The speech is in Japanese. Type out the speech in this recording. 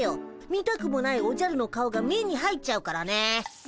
見たくもないおじゃるの顔が目に入っちゃうからね。